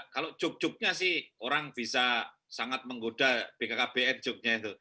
kalau cuk cuknya sih orang bisa sangat menggoda bkkbn cuknya itu